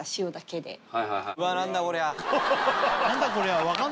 何だこりゃ。